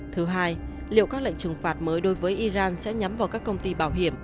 thứ hai liệu các lệnh trừng phạt mới đối với iran sẽ nhắm vào các công ty bảo hiểm